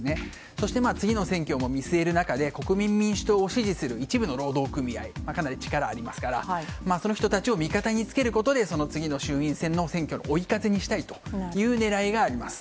そして次の選挙も見据える中で国民民主党を支持する一部の労働組合はかなり力がありますからその人たちを味方につけることで次の衆院選の選挙の追い風にしたいという狙いがあります